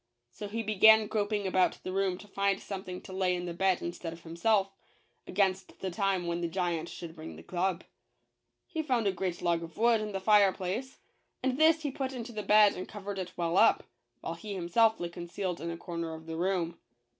So he began groping about the room to find something to lay in the bed instead of himself, against the time when the giant should bring the club. He found a great log of wood in the fire place ; and this he put into the bed and covered it well up, while he himself lay concealed in a corner of the room.